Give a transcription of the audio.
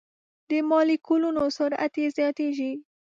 د مالیکولونو سرعت یې زیاتیږي.